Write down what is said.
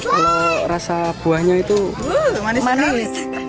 kalau rasa buahnya itu manis manis